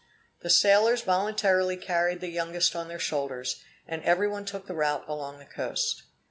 The sailors voluntarily carried the youngest on their shoulders, and every one took the route along the coast.